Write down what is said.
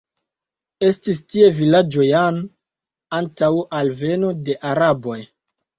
Estis tie vilaĝo jan antaŭ alveno de araboj.